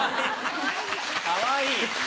かわいい！